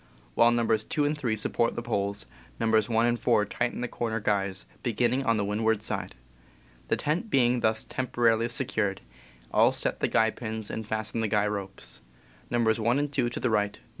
While Nos. 2 and 3 support the poles, Nos. 1 and 4 tighten the corner guys, beginning on the windward side. The tent being thus temporarily secured, all set the guy pins and fasten the guy ropes, Nos. 1 and 2 to the right, Nos.